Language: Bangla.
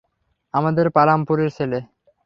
আমাদের পালামপুরের ছেলে!